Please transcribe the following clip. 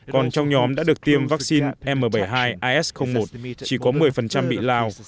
còn trong nhóm đã được tiêm vaccine m bảy mươi hai as một chỉ có một mươi bị lào